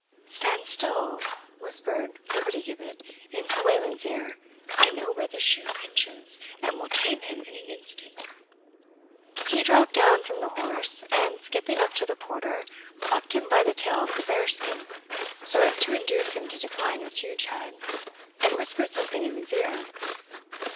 "Stand still," whispered Flibbertigibbet into Wayland's ear, "I know where the shoe pinches, and will tame him in an instant." He dropped down from the horse, and skipping up to the porter, plucked him by the tail of the bearskin, so as to induce him to decline his huge head, and whispered something in his ear.